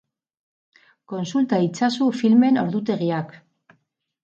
Kontsulta itzazu filmen ordutegiak!